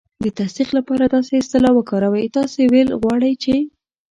د تصدیق لپاره داسې اصطلاح وکاروئ: "تاسې ویل غواړئ چې..."